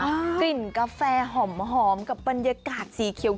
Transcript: กลิ่นกาแฟหอมกับบรรยากาศสีเขียว